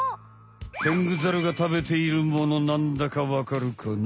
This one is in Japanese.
テングザルが食べているものなんだかわかるかな？